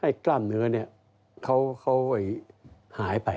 ให้กล้ามเนื้อนี่เขาหายไป